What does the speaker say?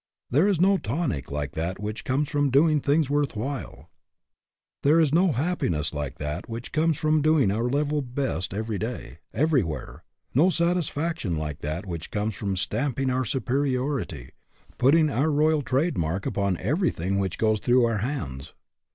There is no tonic like that which comes from doing things worth while. There is no 154 HAPPY? IF NOT, WHY NOT? happiness like that which comes from doing our level best every day, everywhere ; no satis faction like that which comes from stamping our superiority, putting our royal trade mark, upon everything which goes through our hands.